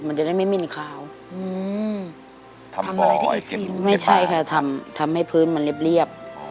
มันจะได้ไม่มินขาวทำอะไรที่ไม่ใช่ค่ะทำให้พื้นมันเรียบ